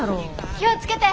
気を付けて。